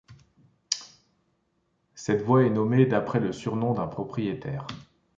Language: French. Cette voie est nommée d'après le surnom d'un propriétaire.